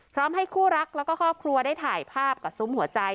พร้อมให้คู่รักแล้วก็ครอบครัวได้ถ่ายภาพกับซุ้มหัวใจ